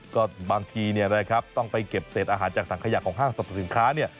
ก็บางทีต้องไปเก็บเศษอาหารจากส่อมขายักของห้างสับสนิทฐา